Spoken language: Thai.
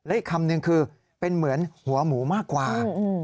อีกคำนึงคือเป็นเหมือนหัวหมูมากกว่า